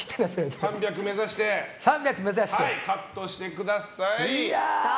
３００目指してカットしてください。